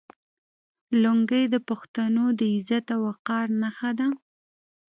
لونګۍ د پښتنو د عزت او وقار نښه ده.